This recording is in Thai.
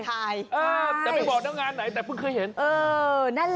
แต่ไม่บอกแล้วงานไหนแต่เพิ่งเคยเห็น